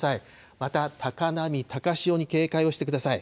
また高波、高潮に警戒してください。